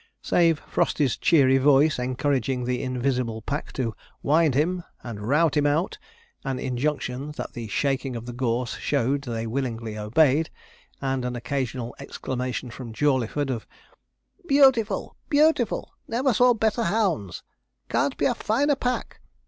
Save Frosty's cheery voice encouraging the invisible pack to 'wind him!' and 'rout him out!' an injunction that the shaking of the gorse showed they willingly obeyed, and an occasional exclamation from Jawleyford, of 'Beautiful! beautiful! never saw better hounds! can't be a finer pack!'